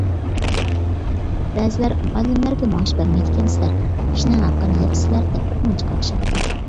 بەزىلەر: «مۇئەللىملەرگە مائاش بەرمەيدىكەنسىلەر، كىشىنىڭ ھەققىنى يەپسىلەر» دەپ بىرمۇنچە قاقشاپتۇ.